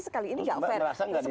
sekali ini tidak fair